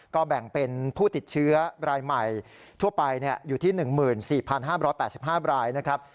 ก็แบ่งเป็นผู้ติดเชื้อรายใหม่ทั่วไปเนี่ยอยู่ที่หนึ่งหมื่นสี่พันห้าร้อยแปดสิบห้ารายนะครับ